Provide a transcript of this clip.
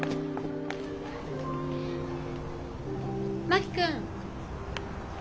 真木君！